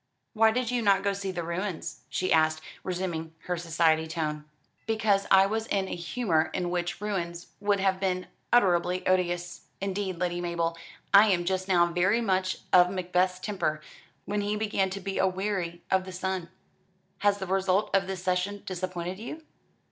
"Why did you not go to see the ruins?" she asked, resuming her society tone. "Because I was in a humour in which ruins would have been unutterably odious. Indeed, Lady Mabel, I am just now very much of Macbeth's temper, when he began to be a weary of the sun." "Has the result of the session disappointed you?"